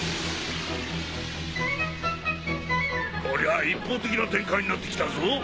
こりゃあ一方的な展開になって来たぞ。